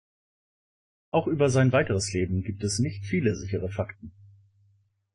Auch über sein weiteres Leben gibt es nicht viele sichere Fakten.